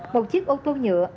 một chiếc ô tô nhựa